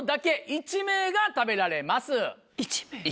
１名？